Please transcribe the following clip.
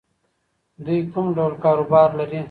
دوی کوم ډول کاروبار لري؟